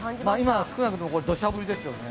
今、少なくとも、これ、どしゃ降りですよね。